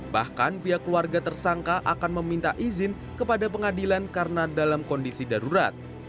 bahkan pihak keluarga tersangka akan meminta izin kepada pengadilan karena dalam kondisi darurat